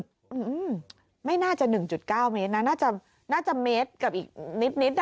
งไม่น่าจะหนึ่งจุดเก้าเมตรน่าจะน่าจะเมตรกับอีกนิดนิดนิด